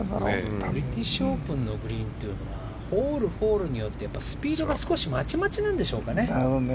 アイリッシュオープンのグリーンっていうのはホールホールによってスピードがまちまちなんでしょうかね。